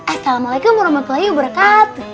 assalamu'alaikum warahmatullahi wabarakatuh